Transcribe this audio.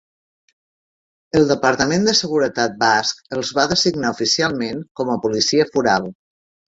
El Departament de Seguretat Basc els va designar oficialment com a policia foral.